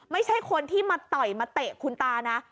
ไม่ใช่คนที่มาต่อยมาเตะคุณตานะ